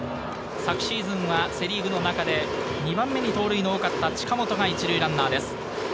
昨シーズンはセ・リーグの中で２番目に盗塁の多かった近本が１塁ランナーです。